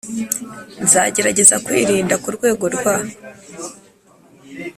nzagerageza kwirinda kurwego rwa,